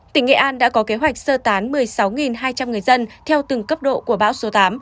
tỉnh nghệ an đã có kế hoạch sơ tán một mươi sáu hai trăm linh người dân theo từng cấp độ của bão số tám